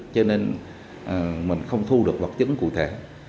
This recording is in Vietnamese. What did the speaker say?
cho nên mình không thu được vật chứng cụ thể